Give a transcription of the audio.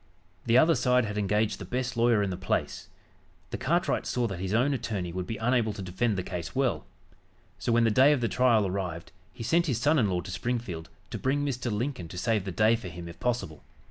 The other side had engaged the best lawyer in the place. The cartwright saw that his own attorney would be unable to defend the case well. So, when the day of the trial arrived he sent his son in law to Springfield to bring Mr. Lincoln to save the day for him if possible.